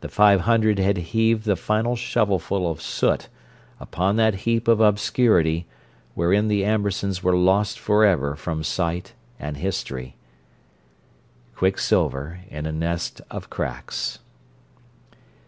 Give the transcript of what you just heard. —the Five Hundred had heaved the final shovelful of soot upon that heap of obscurity wherein the Ambersons were lost forever from sight and history. "Quicksilver in a nest of cracks!"